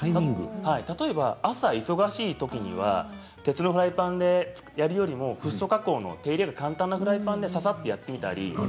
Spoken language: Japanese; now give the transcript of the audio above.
例えば、朝忙しいときには鉄のフライパンでやるよりもフッ素加工で手入れがいい簡単なフライパンでささっと作ります。